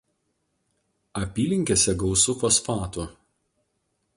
Apylinkėse gausu fosfatų.